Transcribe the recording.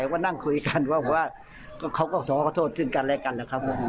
อยากว่านั่งคุยกันเพราะว่าเขาก็ขอโทษขึ้นกันแหละกัน